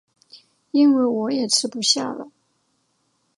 因为我也吃不下了